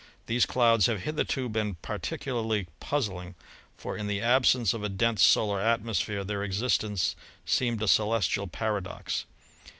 These clouds have hitherto been par ticularly puzzling, for in the absence of a dense solar atmosphere their existence seemed a celestial paradox.